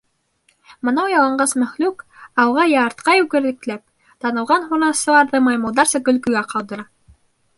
Бынау яланғас мәхлүк, алға йә артҡа йүгерекләп, танылған һунарсыларҙы май-мылдарса көлкөгә ҡалдыра.